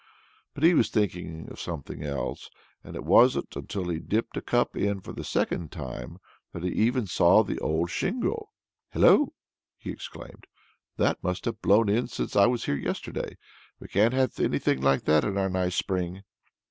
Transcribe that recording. But he was thinking of something else, and it wasn't until he dipped a cup in for the second time that he even saw the old shingle. "Hello!" he exclaimed. "That must have blown in since I was here yesterday. We can't have anything like that in our nice spring."